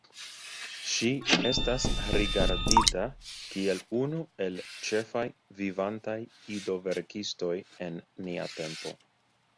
Ŝi estas rigardita kiel unu el ĉefaj vivantaj ido-verkistoj en nia tempo.